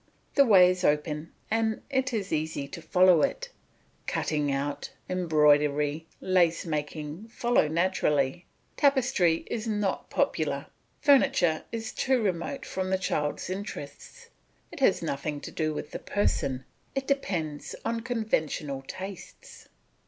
The way is open and it is easy to follow it; cutting out, embroidery, lace making follow naturally. Tapestry is not popular; furniture is too remote from the child's interests, it has nothing to do with the person, it depends on conventional tastes.